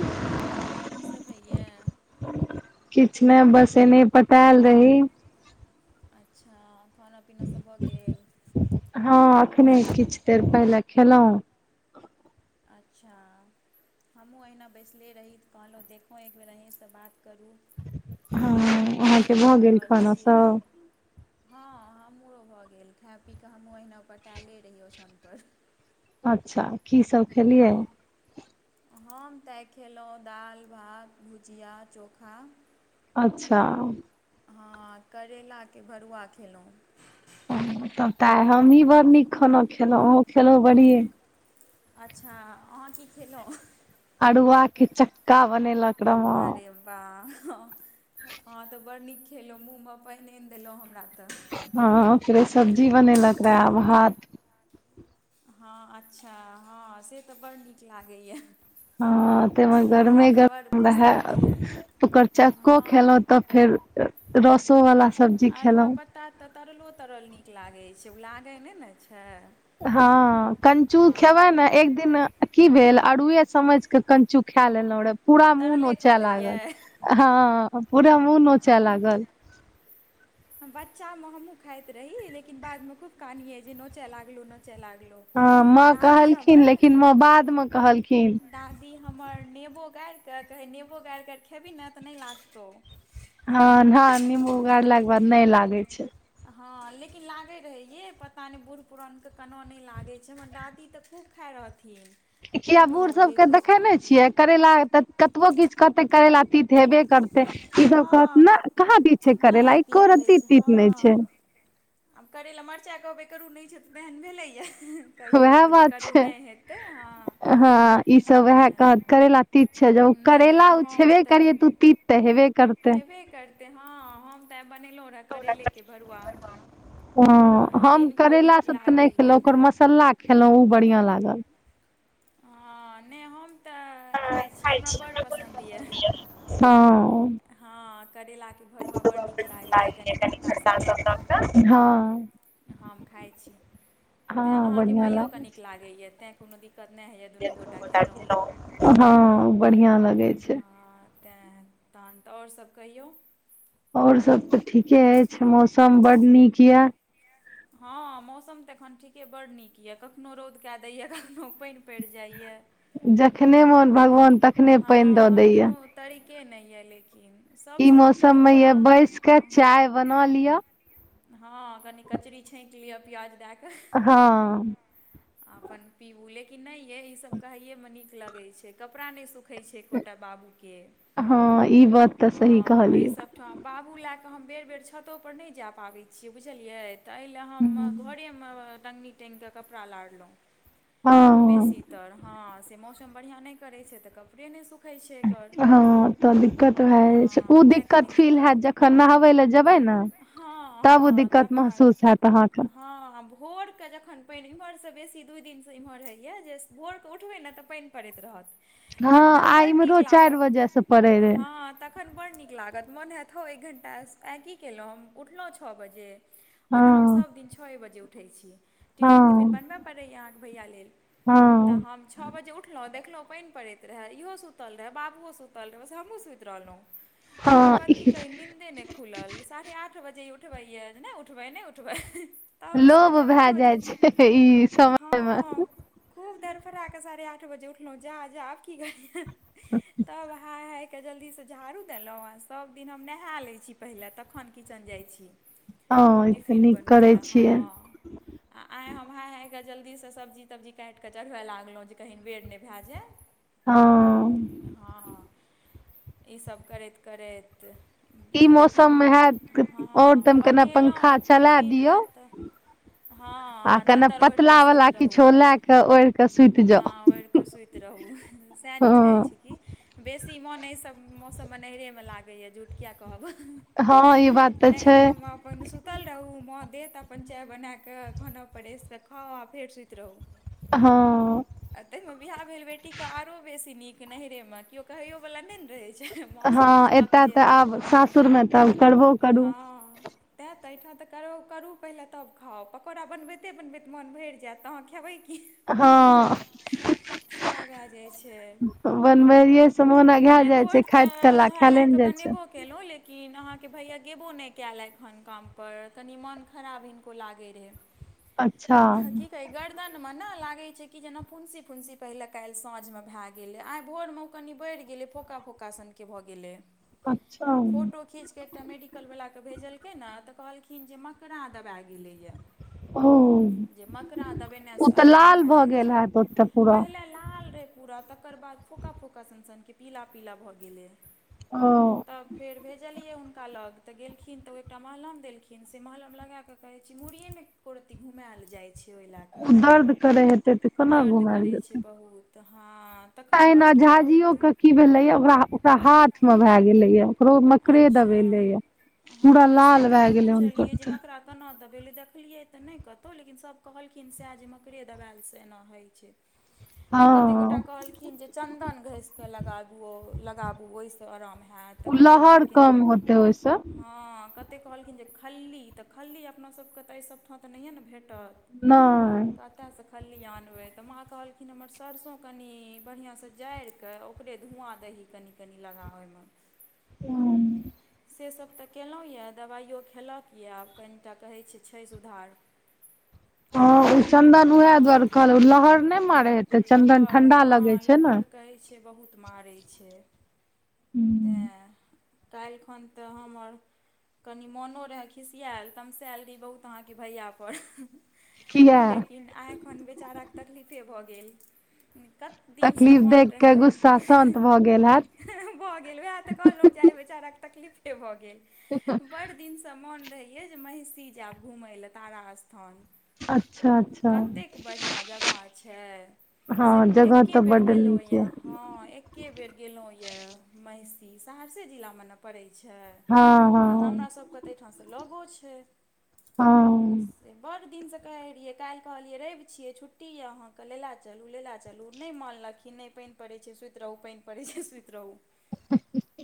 ह हँ ये की सब होइया? किछु ने बस एने पटायल रही। अच्छा खाना पीना सब भऽ गेल? हँ अखने किछु देर पहिले खेलहुँ। अच्छा। हमहू अहिना बैसले रही तऽ कहलहु देखहु एकबेर अहीसँ बात करू। हँ अहाँके कीसभ भऽ कऽ गेल रहल खाना छियै सब? हँ हमरो भऽ गेल खाए पीक कऽ हमहू अहिना पटाले रहियै ओछौन पर। अच्छा की सब खेलियै? हँ हम तऽ आइ खेलहुँ दाल, भात, भुजिया, चोखा अच्छा। हँ करलाके भरुआ खेलहुँ। तब तऽ आइ हमही बड नीक खाना खेलहु अहूँ खेलहु बढ़िये। अच्छा अहाँ की खेलहुँ? अरुआ के चक्का बनेलक र अरे वाह अ अहाँ तऽ बड़ नीक खेलौं, मुँहमे पानि आनि देलौं हमरा त। हँ ओकरे सब्जी बनेलक रहे आ भात। हँ अच्छा, हँ से त बड़ नीक लागैयि। हँ ते मे गरमे गरम रहे, पसन्द यए ओकर चक्को खेलौ हँ त फेर रसो आ बला सब्जी खेलौं। [unintelligible] तरलो तरल नीक लागै छै ओ लागै नै ने छै। हँ कञ्चू खेबै हँ ने एक दिन की भेल, अड़ुए समझिक कञ्चू खा लेलौं रेहे पूरा मूंह तरले खा नोचे लेलियै लागल। हँ, पूरा मुँह नोच लागल। बच्चामे हमहुँ खाइत रही लेकिन बादमे खूब कानिअइ जे नोचे लागलौ नोचे लागलौ। हँ माँ कहलखिन लेकिन माँ बादमे कहलखिन। दादी हमर नेबो गारिक कहै, नेबो गारिकऽ खेबही ने त नै लागतौ। हं-हं नींबू गारलाके बाद नै लागै छै। हँ लेकिन लागै रहै यै, पता नै बूढ़ पुरानके कना नै लागै छै हमर दादी त खूब खाइ रहथिन। किया ओनो बूढ़ सबके लेकिन देखै ने छियै करैला त कतबो किछ करतै करैला तीत हेबे कर तै, ई सब कहत हँ ने कहाँ तीत छै करैला, नहि एको तीत होइ रती छै तीत नै छै। हँ आब करैला, मरचाइ कहबै करू नै छै तेहन भेलैया। उहे बात छै। [inaudible] हँ ई सब उहे कहत तऽ करैला तीत छै। जब करैेला नहि ओ हम छेबे करियै तऽ त उ तीत- त हेबे कर हेबे करतै। हँ हम त आइ बनेलौ रहा करैेले के भरुआ। आ हँ हम हिनको करेला नीक सं त नै लागैए खेलौं ओकर मसल्ला खेलौं उ बढ़ियां लागल। हँ, नै हम त खाइ छी, हमरा बड़ पसन्द या। [unintelligible] हँ करैलाके भरुआ बड नीक लागैया कनी खट्टा सब द क। हँ हम खाइ छी। [inaudible] तें हँ अहाँकेँ बढ़ियां भाइयोके लागै नीक लागैया तें कोनो दिक्कत नहि होइया। [unintelligible] हं बढ़ियां लगै छै। तें तहन त आओर सब कहियौ? आओर सब त ठीके अछि। मौसम मौ बड नीक या। हँ मौसम त एखन ठीके बड़ नीक या। कखनो रौद कै दैया कखनो पानि परि जाइया जखने [inaudible] मोन कोनो भगवान तखने पानि दऽ हं दैया कोनो तरीके नै या लेकिन। ई सभसँ दिक्कत मौसम मे हमरा या बैस क हँ चाय बना लिअ। हँ कनी कचरी छांटि लिअ प्याज दै क। हँ। [inaudible] आ अपन पीबू लेकिन नै यै ई सभ कहैए मे नीक लगै छै, कपड़ा नै सुख खै छै एकोटा बाबूके, हँ ई बात तऽ [inaudible] सही हं अइ कहलियै सब ठाम, बाबू लै क हम बेर-बेर छतो पर नै जा पाबै छियै, बुझलियै? त अइ ले हम हूँ घरेमे टंगनी टांगिक कपड़ा लारलौं। [inaudible] आ हँ बेसी तर हँ से मौसम बढ़िआं नहि करै छै त कपड़े नै सुख हँ त दिक्कत भा जाइ छै। हँ उ तैँ कनि दिक्कत फील हैत जखन नहाबै ले जेबै न। [inaudible] हँ [inaudible] तब उ हँ दिक्कत तखन महसूस हैत अहाँ हँ आ भोर क जखन पानि, इम्हर सं बेसी दूइ दिनसं इम्हर होइए जे भोर क उठबै ने त पानि परैत रहत, हँ तखन आ बड़ नीक इम्हरो चारि लागत। बजे से पड़े रहे हं त तखन बड्ड नीक लागत, मोन हेतौ एक घण्टा, आइ की केलहुँ। हम उठलहुँ छओ बजे। ओना हम हँ सभ दिन छओ बजे उठै छी। टिफिन-तिफिन हँ बनबऽ पड़ैया। अहाँके भैया लेल। तऽ हँ हम छओ बजे उठलहुँ देखलहुँ पानि पड़ैत रहए। इहो सुतल रहै, बाबूओ सुतल रहै, ओसँ हमूँ सुति रहलहुँ। ओकर हँ बाद की ई कही नीन्दे नहि खुलल। साढ़े आठ बजे उठबैय जे नइ उठबै। नहि उठबै, तब लोभ साढ़े आठ भए बजे, जाइ छै ई समय मे हँ। खूब दरफड़ कऽ साढ़े आठ बजे उठलहु, जा जा आब की ह। तब हाय हाइके, जल्दीसँ झाड़ू देलहुॅं, आ सब दिन हम नहा लै छी पहिले, तखन किचन जाइ छी। ह ई तऽ टिफिन नीक बनबै करै लए छियै। हँ आ आँइ हम हाइ- हाँइके जल्दीसँ सब्जी- तब्जी काटि कऽ चढ़बय लागलहुँ, जे कहहँ बेर नहि भए जाय। हँ। हँ, ईसभ करैत- करैत ई लेकिन मौसम मे हैत और हँ, तम केना बनेलहुँ पंखा चला टिफिन दियौ लए तऽ हँ, आ कने चद्दरि पतला ओढ़िकऽ वाला सुति रहू, किछो लए कऽ ओढ़ि कऽ सुति जाउ हँ, ओढ़िकऽ सुत रहू, सएह नीक लागै हँ छै। बेसी मोन एहि सब मौसम में नैरेमे लागैए, झुट किया कहबऽ। हँ ई बात तऽ छै नहिरामे अपन सु सुतल रहू, माँ देत अपन चाय बनााकऽ खाना परेश क, खाउ आ फेर सुति रहू। हँ। आ ते में बियाह भेल बेटी के, आरो बेसी नीक नैहरे में, कियो कहयो वाला नहि ने रहय छै। माँसभ हँ, बुझलक एतय जे तऽ आब सासुर में तब करबो करू। हँ तैँ तऽ एहिठाम तऽ कर करू पहिले तब खाउ, पकौड़ा बनबैते- बनबैत मोन भरि जायत, अहाँ खबै की? हँ। सएह भए जाइ छै। बनबैे सब मोना घए जाय छै, खाइत केला खेले ने जाय छे। नेबो केलहुँ, लेकिन अहाँके भैया गेबो नहि कयल एखन काम पर कनि मोन खराब हिनको लाइगे रहे, अच्छा की कही गर्मी दनमे नहि लागै छै कि जेना फुंसी- फुंसी पहिले काल्हि साँझमे भए गेलै, आइ भोर में कनि बढ़ि गेलै, फोका फोका सनके भऽ गेलै। अच्छा फोटो खीचके एकटा मेडिकल वला के भेजलकै ने, त कहलखिन जे मकड़ा दबा गेलैएा य। ओ जे मकड़ा ओ दबेनेसँ तऽ अहिना लाल भए भऽ जाइ गेल छै, हैत ओतऽ पूरा पहिले लाल रहै पूरा, तकर बाद फोका -फोका सन- सन के पीला -पीला भऽ गेलै। ओ। तब फेर भेजलियै हुनका लग, तऽ गेलखिन तऽ ओ एकटा मलहम देलखिन, से मलहम लगा के कहे छी, मुुरड़ीेयै ने एको- रती घुमल जाय छै। ओहि लए कऽ दर्द करै हेतै, तऽ कोना घुमएल जेतै। तऽहाँ। तहिना झाझियो के की भेलै या, ओकरा ओकरा हाथ मे भए गेलै या, ओकरो मकड़े अच्छा दवेे ले य। हँ से तऽ नहि बुझलियै जे, म तऽ ओकरा केना दबेलै, देखलियै तऽ नहि कतहुँ, लेकिन सभ कहलखिन सएह जे मकरे दबायल से एना होइ छै। कते गोटा हँ कहलखीन जे चन्दन घसिके लगाबु, लगाबू ओहिसँ आराम हेत। लहर कम होते ओइ से। हँ कते कहलखिन जे खल्ली तऽ खल्ली अपना सबके तऽ अइ सबठां तऽ नहिये ने भेटत। नांइ। कतऽ सँ खल्ली आनबै तऽ माँ कहलखिन हमर सरसो कनी बढ़ियां से जाड़ि के ओकरे धुवां दही कनि- कनि लगा ओइमे। ह से सब त केलौं यऽ। दबाइयो खेलक यऽ आब कनिटा कहै छै, छै सुधार। हँ ओ चन्दन उहेए हँ दुवारे कहलौं लहर नै मारै हेतै चन्दन ठंडा लगै छै ने। से बहुत मारै छै हूँ तेंए। काल्हिखन तऽ हमर कनी मोनो रहेए खिसियेएल तमसायल रही बहुत अहाँ के भैया पर। किया लेकिन आइ एखन बेचाराक तकलीफे भऽ गेल। दिनसँ तकलीफ मोन देख के रहए गुस्सा शांत भऽ गेल हेएत। भऽ गेल। उहेए तऽ कहलहुं, जे आइ बेचारा क तकलीफे भऽ गेल। हँ बड़ दिन सँ मोन रहैये जे महिषी जाब घुमय लेए तारा स्थान। अच्छा अच्छा कतेक बढ़ियां जगह छै। हँ सिर्फ जगह एक्के तऽ बेर बड्ड गेलौ नीक यऽ य हँ एक एक्के बेर गेलौ यऽ महिषी। सहरसे जिला मे न पड़ै छै? हँ। आ हमरा हँ सब के तऽ अइठां से लगो छै। हँ। बड्ड दिन सँ कहै रहियै। काइल्ह कहलियै रइव छियै, छुट्टी यऽ अहाँ के लेलेए चलू- लेलेए चलू नै मानलक कि नै, पेइन पड़ै छै सुइत रहू, पेइन पड़ै छै सुइत रहू।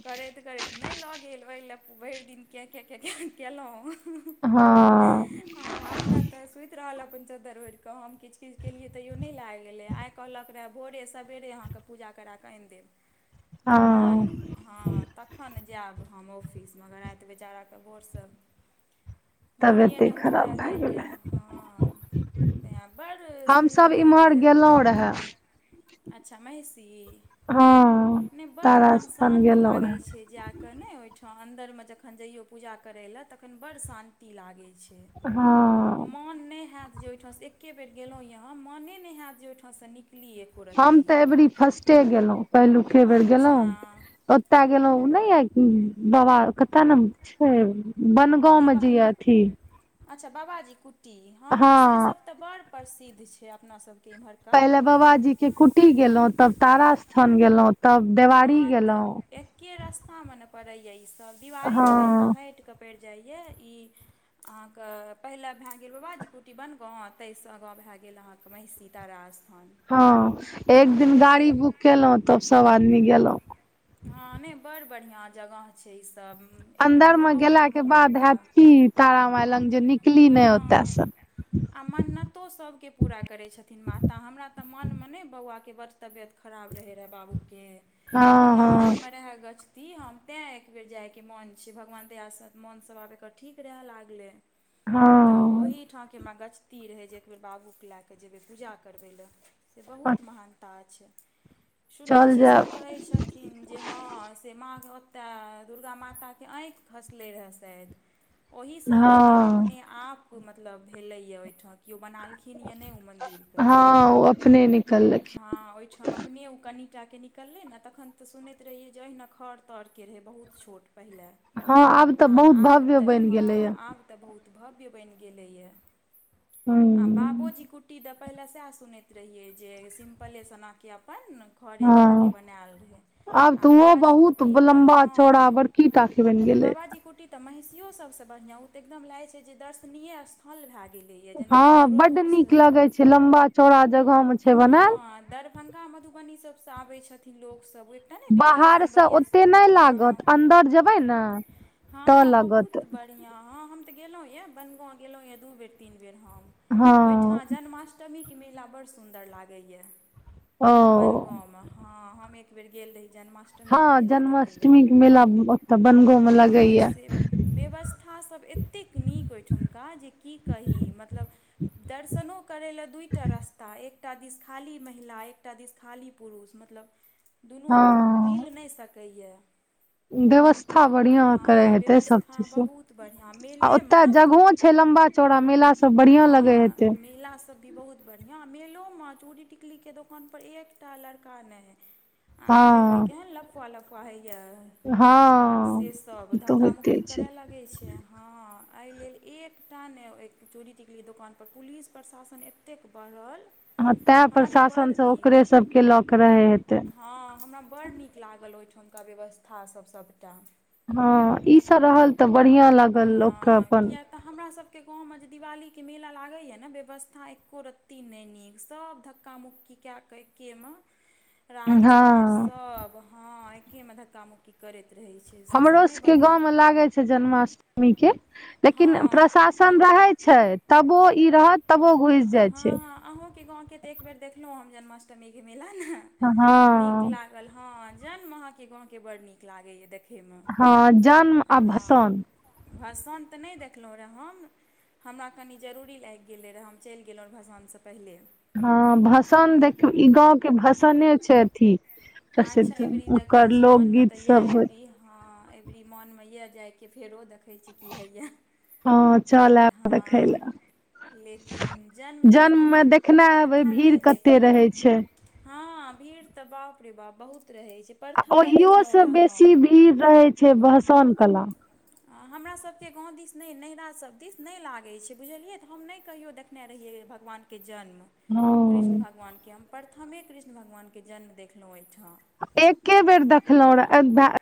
करैत करैत नै लऽ गेल। ओइह ले भइर दिन कें कें कें कें केलौं। हँ हॅं, अपना तऽ सुइत रहल अपन चद्दर ओइढ़कऽ हम किच- किच केलियै तैयो नै लेए गेलै आ आइ कहलक रहे भोरे सबेरे हम पूजा करा कऽ आइन देब। तखन, हँ हँ तखन जाएब हम ऑफिस मगर आइ बेचारा के भोर स मूड़िये तबियते ने खराब उठबेए भए दैये गेलै हँ। तें आ बड़ हमसभ सुनलियै इम्हर ये। गेलहुँ रहए अच्छा महिषी। हँ नै बड़ तारा मोन स्थान शान्त गेलहुँ लागै रहे छै जेए क। के नै ओइ ठां अन्दर मे जखन जइयौ पूजा करय ले, तखैन बड़ शांति लागै छै। हँ मोन नै हेएत जाइ ओइ ठां सँ एके बेर गेलौ यऽ हम मने नै हेएत जे ओइ ठां सँ निकलीयै। हम तऽ एबरी फर्स्टे गेलौं, पहिलुके बेर गेलौं। अच्छा ओत्तऽ गेलउ नै याइ बाबा, कता नाम छै? बनगाँंव मे दीवा जे यऽ अथी। अच्छा बाबाजी कुट्टी, हँ से सब त बड़ प्रसिद्ध छै अपना सब के। पहिले बाबाजी के कुट्टी गेलौ तब तारा स्थान गेलौं। हँ त एक्के रस्ता मे न पड़ैये इ सब दीवारी तऽ कनि टा हँ हैट कऽ पैड़ जाइये ई अहाँ क पहिले भेए गेल बाबाजी कुटी बनगाँव, तहि सँ आगाँ भेए गेल अहाँ महिषी तारा स्थान। हां एक आ दिन ओम्हरे गाड़ी बुक केलौ तब सब आदमी गेलौ। हां नै बड़ बढ़िया जगह छै ई सब। अन्दर मे गेला के बाद हेत की तारा माय लग जे निकली नै ओतय हँ से। आ मन्नतो सबके पूरा करै छथिन माता हमरा तऽ मन में नै बौआ के बर तबियत खराब रहै रहे बाबू के हमरा हँ मन मे रहै गछ ती हम तें एक बेेर जाए के मोन छै, भगवान दया से मोन सब आब एकर ठीक रहै लागले। तब हँ ओहि ठा के हमरा गछ ती रहै जे एक बेर बाबू के लाए कै जेबै पूजा करबै लै। से हँ बहुत महानता छै, सुनै चल छियै जायब सब कहै छैथ। थिन जे हां से माँ के ओतय दुर्गा माता के ऐंख खसलै रहै शाएद। ओहि से उ मन्दिर हँ अपने आप मतलब भेलै यै ओय ठा कियो बनालखिन खिन यै नै उ मन्दिर कै हँ ओ अपने निकललखिन हां ओयठा अप अपने उ कनिटाके निकललै नै तखन तऽ सुनैत रहियै जे ऐहना खर-तर के रहै बहुत छोट पहिले। हां आब तै बहुत भव्य बैन गेलै यै। तै बहुत भव्य बैन गेलै यै आ हूँ बाबोजी कुट टी दै पहिले सैह सुनैत रहियै जे सिम्पले सनाके अपन खरै हँ तौरके बनायल रहै। आब तऽ आ उहो बाबाजी बहुत कुट्टी तऽ लम्बा-चौड़ा हँ बड़की टा के बैन गेले। बाबाजी कुट्टी तऽ महिषियो सबसे बढ़िया उ तऽ एकदम लागै छै जे दर्शनीय स्था [unintelligible] भै गेलैय। हां बड्ड नीक लगे छै, लम्बा-चौड़ा जगह में छै हँ बनाएल। दरभंगा मधुबनी सबसे आबै छथिन लोक सब ओय के बाहर से ओते नै लागत अन्दर जेबै नै तऽ लगत [unintelligible] हां हम तै गेलौ यै बनगाँव गेलौं यै दुई बेर तीन बेर हम, हँ ओयठा जन्माष् टमी के मेला बड़ सुन्दर लागै यै, ओ बनगांव में हां हम एक बेर गेल रही जन्माष् हां जन्माष्टमी के मेला ओता बनगांव में लगे यै। व्यवस्था सब एतेक नीक ओय ठुमका जे की कही मतलब दर्शनो करै लै दूटा रस्ता, एकटा दिस खाली महिला, एकटा दिस खाली पुरुष मतलब दुनू हँ मिल नै सकय यै। व्यवस्था बढ़िया करय हेतै सब व्यवस्था चीज से बहुत बढ़िआँ आ ओतय मेलेमे मतलब जगहो छै लम्बा-चौड़ा मेला सब बढ़िया लगे हेतै। मेला सब भी बहुत बढ़िया, मेलो में चूड़ी, टिकली के दोकान पर एकटा लड़का नै आइ काएल के हँ केहन लफूवा-लफूवा हय यै हँ से सब ई तऽ धक्का-मुक्की होइते छै करय लग छै हां ए लेल एकटा नै और चुरी टिकली के दोकान पर पुलिस प्रशासन ए एतेक भरल हां तैँ प्रशासन सब ओकरे सबके लऽ कऽ रहै हेतै। हां हमरा बड़ नीक लागल ओयठाम के व्यवस्था सब सबटा। हँ ई से रहल तऽ बढ़िया लागल लोक के हँ अपन किया तऽ हमरा सबके गाँवमे जे दिवाली के मेला लागै यै न व्यवस्था एक्को रत्ती नै नीक सब धक्क का मुक्की कए कै एके मे राड़ हँ चोहार सब हँ एकऐे मे धक्का मुक्की करैत रहै छै। सेसभ हमरो नहि सबके बढ़िआँ गाँवमे लागै छै जन्माष्टमीके। लेकिन हँ प्रशासन रहै छै तबो ई रहत तबो घुइस जाइ छै। ह आहु के गाँव के त एक बेर देखनौ जन्माष्टमीके मेला नऽ नीक हँ लाग हँ जन्म अहाँके गाँंव के बड़ नीक लागैए देख हँ जन्म आ भसान। भसान तऽ नहि देखलहु रह हम हमरा कनि जरूरी लागि गेल गेल रहऽ हम चलि गेलहुँ भसानसँ पहिले। हँ भसान देखिब ई गाँंव के भसाने छै अथी। अच्छा प्रसिद्ध एबरी ओकर देखैत छी मोनमे लोकगीत तऽ यए सब होत। एबरी हँ अबेरी मोन मे यऽ जाय के फेरो देख कहै छी की होइए हँ चल आयब देखै इहाँ लए लेकिन जन्म तऽ देखिमे मे हम देखने हेबै भीड़ परथमे कते देखलहुँ। रहै छै हँ भीड़ तऽ बाप रे बाप बहुत रहे छै। आ प्रथमे ओहियो देखलहुँ सँ रहए बेसी हम भीड़ रहै छै भसान कला हमरा सभके गाँव दिस नहि नैहिरा सभ दिस नहि लागै छै बुझलियै तऽ हम नहि कहियो देख देखने रहियै भगवानके जन्म कृष्ण हँ भगवानके हम प्रथमे कृष्ण भगवानके जन्म देखलहुँ ओहिठाम। एके बेर देखलहुँ रह